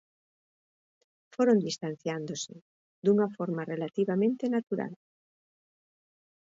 Foron distanciándose, dunha forma relativamente natural.